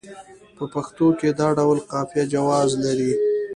په پښتو کې دا ډول قافیه جواز لري.